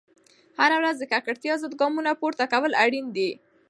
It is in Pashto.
هره ورځ د ککړتیا ضد ګامونه پورته کول اړین دي.